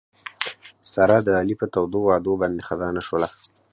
ساره د علي په تودو وعدو باندې خطا نه شوله.